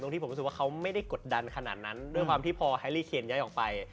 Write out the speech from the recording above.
ที่ผมรู้สึกว่าเขาไม่ได้กดดันขนาดนั้นด้วยความที่พอแฮรี่เคนย้ายออกไป